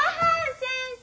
先生